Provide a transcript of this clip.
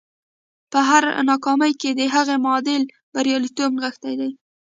په هره ناکامۍ کې د هغې معادل بریالیتوب نغښتی دی